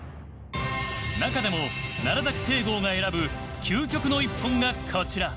中でも崎正剛が選ぶ究極の一本がこちら。